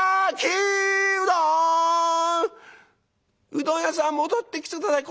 「うどん屋さん戻ってきて下さい。